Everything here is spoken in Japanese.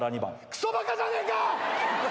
くそバカじゃねえか！